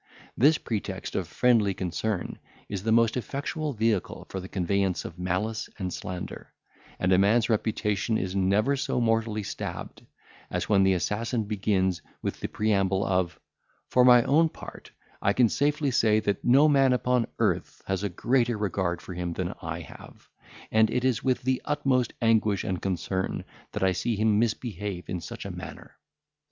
This pretext of friendly concern is the most effectual vehicle for the conveyance of malice and slander; and a man's reputation is never so mortally stabbed, as when the assassin begins with the preamble of, "For my own part, I can safely say that no man upon earth has a greater regard for him than I have; and it is with the utmost anguish and concern that I see him misbehave in such a manner."